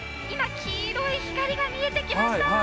今、黄色い光が見えてきました。